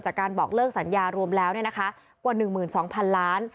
จากการบอกเลิกสัญญารวมแล้วกว่า๑๒๐๐๐ล้าน